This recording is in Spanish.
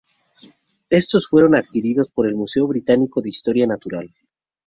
Estos fueron adquiridos por el Museo Británico de Historia Natural.